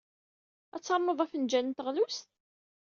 Ad ternuḍ afenjal n teɣlust?